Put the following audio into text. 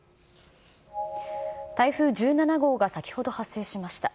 台風１７号が先ほど発生しました。